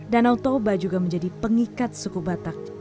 danau toba juga menjadi pengikat suku batak